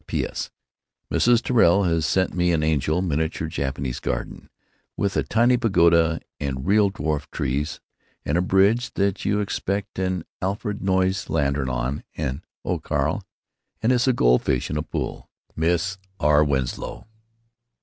P.S. Mrs. Tirrell has sent me an angel miniature Jap garden, with a tiny pergola & real dwarf trees & a bridge that you expect an Alfred Noyes lantern on, & Oh Carl, an issa goldfish in a pool! Miss R. Winslow.